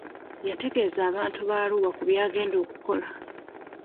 Yategeza abantu ba Arua ku by'agenda okukola.